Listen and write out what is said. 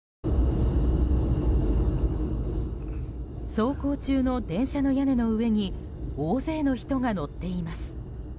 走行中の電車の屋根の上に大勢の人が乗っています。